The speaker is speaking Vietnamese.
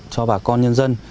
cho bà con nhân dân